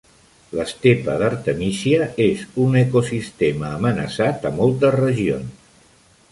L'estepa d'artemísia és un ecosistema amenaçat a moltes regions.